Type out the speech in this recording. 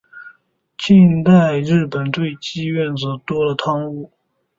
近代日本对妓院则多了汤屋。